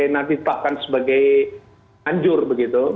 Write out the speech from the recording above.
nanti ditetapkan sebagai anjur begitu